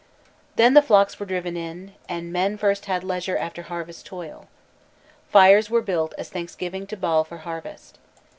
_ Then the flocks were driven in, and men first had leisure after harvest toil. Fires were built as a thanksgiving to Baal for harvest.